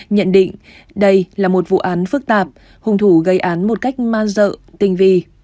nhận định đây là một vụ án phức tạp hung thủ gây án một cách ma dợ tình vi